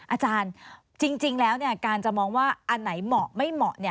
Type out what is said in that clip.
อาจารย์จริงแล้วการจะมองว่าอันไหนเหมาะไม่เหมาะ